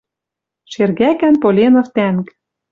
Шергӓкӓн Поленов тӓнг.